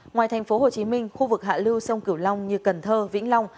ngoài thành phố hồ chí minh khu vực hạ lưu sông kiểu long như cần thơ vĩnh long